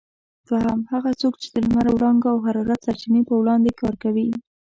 دوهم: هغه څوک چې د لمر وړانګو او حرارت سرچینې په وړاندې کار کوي؟